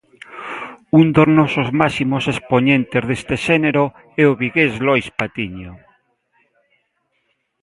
Un dos nosos máximos expoñentes deste xénero é o vigués Lois Patiño.